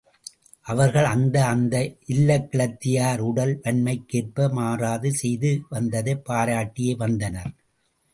அவர்கள் அந்த அந்த இல்லக்கிழத்தியார் உடல் வன்மைக்கேற்ப மாறாது செய்து வந்ததைப் பாராட்டியே வந்தனர்.